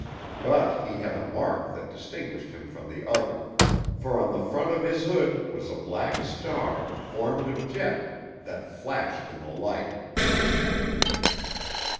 But he had a mark that distinguished him from the other, for on the front of his hood was a black star, formed of jet, that flashed in the light.